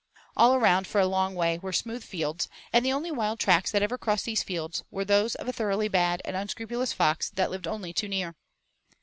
All around for a long way were smooth fields, and the only wild tracks that ever crossed these fields were those of a thoroughly bad and unscrupulous fox that lived only too near.